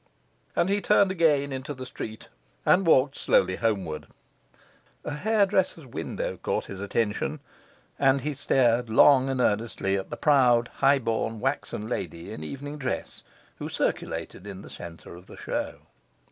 And he turned again into the street and walked slowly homeward. A hairdresser's window caught his attention, and he stared long and earnestly at the proud, high born, waxen lady in evening dress, who circulated in the centre of the show.